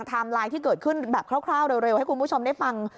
ไลน์ที่เกิดขึ้นแบบคร่าวเร็วให้คุณผู้ชมได้ฟัง